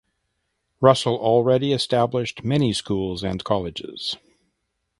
Russel already established many schools and colleges.